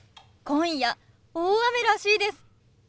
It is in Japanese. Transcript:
今夜大雨らしいです。